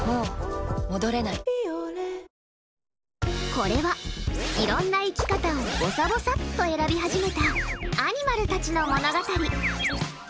これは、いろんな生き方をぼさぼさっと選び始めたアニマルたちの物語。